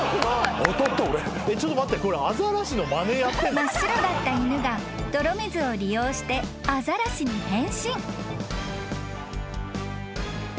［真っ白だった犬が泥水を利用してアザラシに変身］